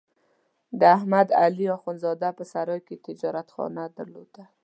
د احمد علي اخوندزاده په سرای کې تجارتخانه درلوده.